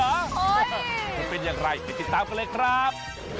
มันเป็นอย่างไรไปติดตามกันเลยครับ